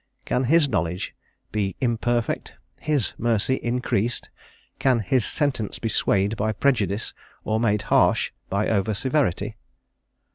Can His knowledge be imperfect, His mercy increased? Can His sentence be swayed by prejudice, or made harsh by over severity?